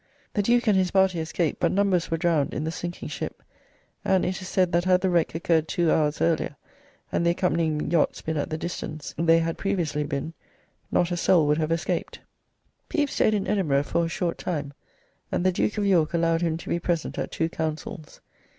The Duke and his party escaped, but numbers were drowned in the sinking ship, and it is said that had the wreck occurred two hours earlier, and the accompanying yachts been at the distance they had previously been, not a soul would have escaped. Pepys stayed in Edinburgh for a short time, and the Duke of York allowed him to be present at two councils.